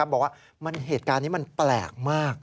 บอกว่าเหตุการณ์นี้มันแปลกมาก